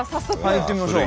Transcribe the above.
行ってみましょう。